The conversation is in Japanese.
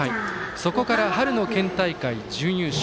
そこから春の県大会、準優勝。